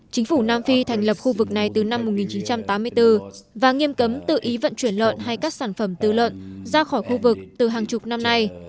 chính phủ nam phi thành lập khu vực này từ năm một nghìn chín trăm tám mươi bốn và nghiêm cấm tự ý vận chuyển lợn hay các sản phẩm tư lợn ra khỏi khu vực từ hàng chục năm nay